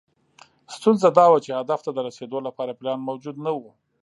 ستونزه دا وه چې هدف ته د رسېدو لپاره پلان موجود نه و.